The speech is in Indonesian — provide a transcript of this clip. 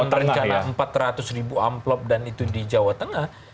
rencana empat ratus ribu amplop dan itu di jawa tengah